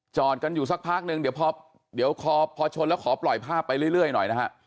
จอดกันอยู่สักพักนึงเดี๋ยวพอเดี๋ยวพอชนแล้วขอปล่อยภาพไปเรื่อยหน่อยนะฮะ